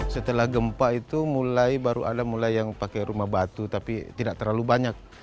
setelah gempa itu mulai baru ada mulai yang pakai rumah batu tapi tidak terlalu banyak